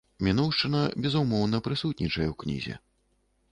Мінуўшчына, безумоўна, прысутнічае ў кнізе.